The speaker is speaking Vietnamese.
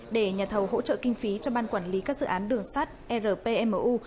để nhà thầu hỗ trợ kinh phí cho ban quản lý các dự án đường sát rpmu